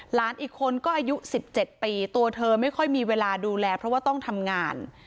หลานอีกคนก็อายุ๑๗ปีตัวเธอไม่ค่อยมีเวลาดูแลเพราะว่าต้องทำงาน